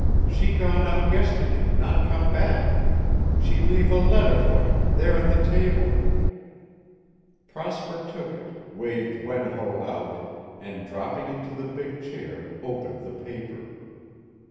She gone out yestiddy, not come back. She leave a letter for him, there on the table." Prosper took it, waved Wen Ho out, and, dropping into the big chair, opened the paper.